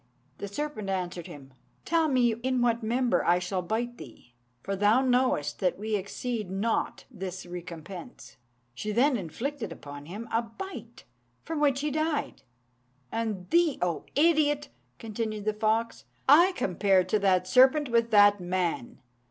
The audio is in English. The serpent answered him, 'Tell me in what member I shall bite thee; for thou knowest that we exceed not this recompense.' She then inflicted upon him a bite, from which he died. And thee, O idiot!" continued the fox, "I compare to that serpent with that man.